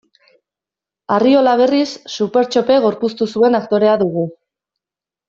Arriola, berriz, Supertxope gorpuztu zuen aktorea dugu.